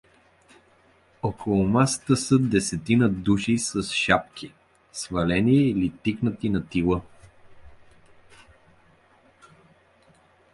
Около масата са десетина души с шапки, свалени или тикнати на тила.